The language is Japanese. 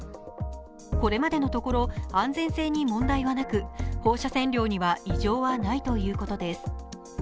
これまでのところ、安全性に問題はなく放射線量には異常はないということです。